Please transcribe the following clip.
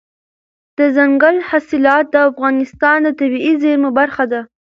دځنګل حاصلات د افغانستان د طبیعي زیرمو برخه ده.